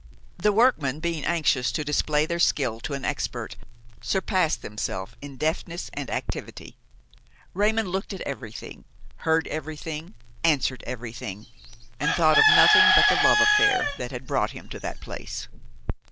The workmen, being anxious to display their skill to an expert, surpassed themselves in deftness and activity. Raymon looked at everything, heard everything, answered everything, and thought of nothing but the love affair that brought him to that place.